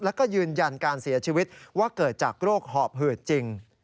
แล้วก็ยืนยันการเสียชีวิตว่าเกิดจากโรคหอบหืดจริง